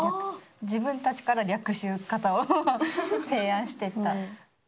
自分たちから略し方を提案していった。